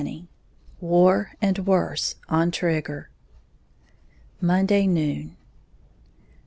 XX WAR AND WORSE ON TRIGGER _Monday Noon.